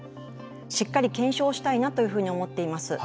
しっかり検証したいなというふうに思っています。